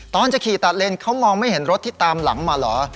ตอนจะขี่ตัดเลนเขามองไม่เห็นรถที่ตามหลังมาเหรอ